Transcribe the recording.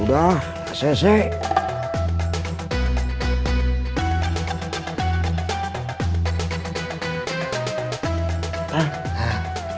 udah saya siapkan